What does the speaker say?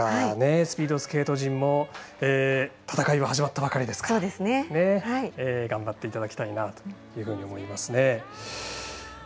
スピードスケート陣も戦いは始まったばかりですから頑張っていただきたいなというふうに思いますね。